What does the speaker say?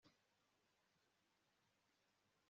Ndatekereza ko byaba byiza utabikoze